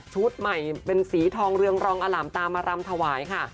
จังรองอลามตามมารำถวายค่ะ